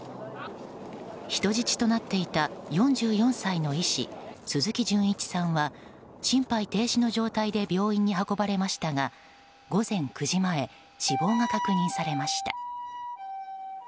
人質となっていた４４歳の医師、鈴木純一さんは心配停止の状態で病院に運ばれましたが午前９時前死亡が確認されました。